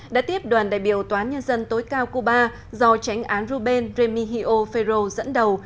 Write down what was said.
đã tiếp đoàn đại biểu toán nhân dân tối cao cuba do tránh án ruben ramihio ferro dẫn đầu